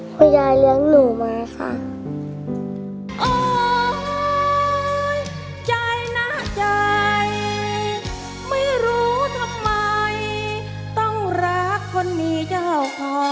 คุณยายเลือกหนูมานะคะ